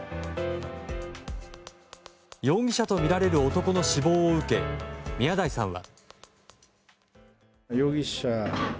容疑者とみられる男の死亡を受け宮台さんは。